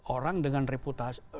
orang dengan reputasi